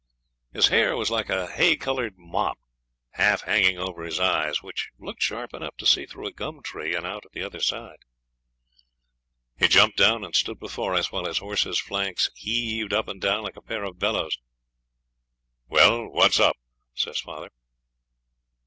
His hair was like a hay coloured mop, half hanging over his eyes, which looked sharp enough to see through a gum tree and out at the other side. He jumped down and stood before us, while his horse's flanks heaved up and down like a pair of bellows. 'Well, what's up?' says father.